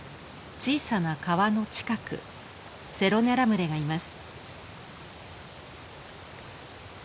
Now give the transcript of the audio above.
小さな川の近くセロネラ群れがいます。